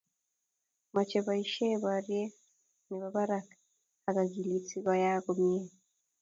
Mochei boisie borie ne bo barak ak akilit si koyaak komie.